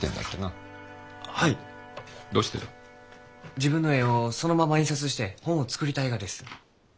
自分の絵をそのまま印刷して本を作りたいがです。